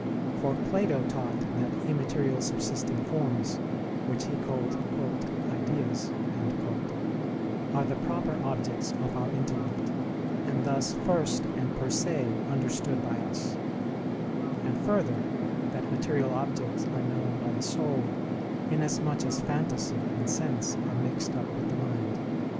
For Plato taught that immaterial subsisting forms, which he called "Ideas," are the proper objects of our intellect, and thus first and per se understood by us; and, further, that material objects are known by the soul inasmuch as phantasy and sense are mixed up with the mind.